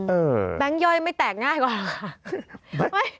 อืมแบงค์ย่อยไม่แตกง่ายกว่าหรอกค่ะ